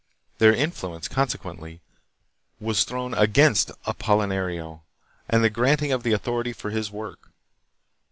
Their influence, consequently, was thrown against Apolinario, and the granting of the authority for his work.